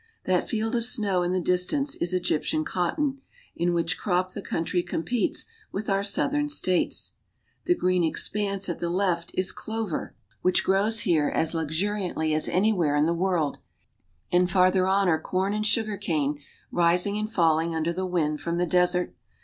That field of snow in the distance is Egyptian cotton, in which crop the country competes with our Southern States; the green expanse at the left is clover, which CARP. AFRICA — 6 ^B 8! grows here as luxuriantly as anywhere in the world, and farther on are corn and sugar cane rising and falling under the wind from the desert.